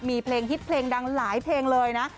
มีเพลงฮิตเพลงดังหลายเพลงเลยนะ